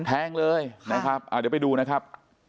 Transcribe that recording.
แทงเลยเดี๋ยวไปดูนะครับ